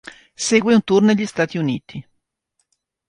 Segue un tour negli Stati Uniti.